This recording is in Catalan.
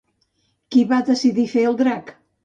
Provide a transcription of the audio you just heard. Qui va decidir fer el drac?